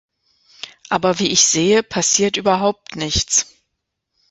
Aber wie ich sehe, passiert überhaupt nichts!